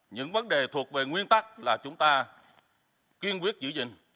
những vấn đề thuộc về nguyên tắc là chúng ta kiên quyết giữ gìn